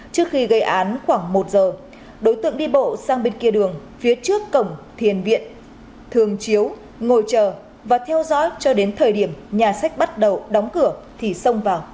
trước khi gây án khoảng một giờ đối tượng đi bộ sang bên kia đường phía trước cổng thiền viện thường chiếu ngồi chờ và theo dõi cho đến thời điểm nhà sách bắt đầu đóng cửa thì xông vào